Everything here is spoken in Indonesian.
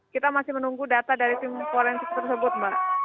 kita masih menunggu data dari tim forensik tersebut mbak